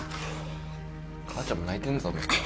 母ちゃんも泣いてんぞめっちゃ。